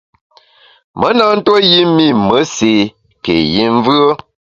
Me na ntuo yi mi me séé ké yi mvùe.